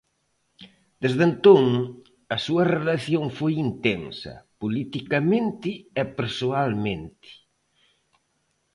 Desde entón a súa relación foi intensa, politicamente e persoalmente.